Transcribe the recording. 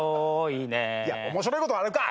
いや面白いことあるか。